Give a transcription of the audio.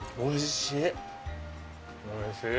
おいしい。